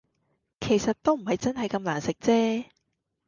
其實都唔係真係咁難食啫